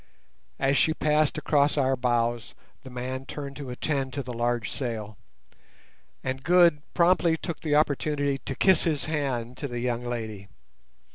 As she passed across our bows the man turned to attend to the large sail, and Good promptly took the opportunity to kiss his hand to the young lady.